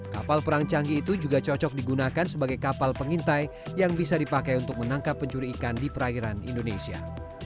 kapal perang canggih itu juga cocok digunakan sebagai kapal pengintai yang bisa dipakai untuk menangkap pencuri ikan di perairan indonesia